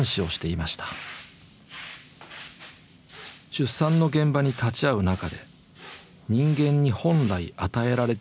出産の現場に立ち会う中で「人間に本来与えられている生きる力。